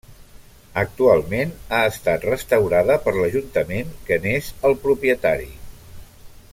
Actualment ha estat restaurada per l'ajuntament que n'és el propietari.